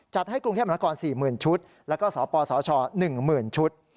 จัดให้กรุงเทพมหาคอน๔หมื่นชุดแล้วก็สปสช๑หมื่นชุด